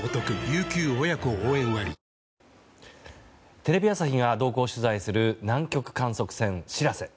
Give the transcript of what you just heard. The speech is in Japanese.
テレビ朝日が同行取材する南極観測船「しらせ」。